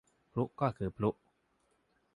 พลุก็คือพลุ